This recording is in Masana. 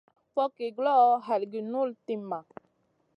Fogki guloʼo, halgi guʼ nul timma.